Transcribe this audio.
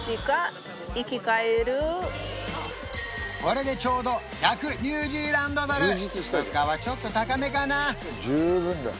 これでちょうど１００ニュージーランドドル物価はちょっと高めかな？